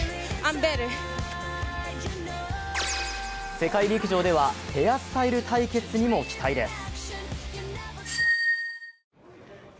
世界陸上では、ヘアスタイル対決にも期待です。